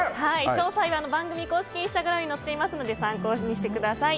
詳細は番組公式インスタグラムに載っていますので参考にしてください。